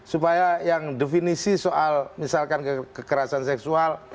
supaya yang definisi soal misalkan kekerasan seksual